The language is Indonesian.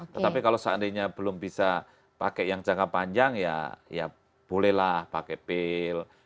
tetapi kalau seandainya belum bisa pakai yang jangka panjang ya ya bolehlah pakai pil